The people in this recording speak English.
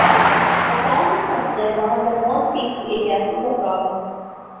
The town is considered one of the most peaceful areas in the province.